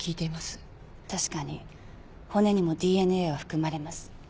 確かに骨にもＤＮＡは含まれます。